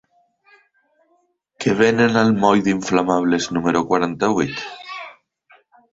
Què venen al moll d'Inflamables número quaranta-vuit?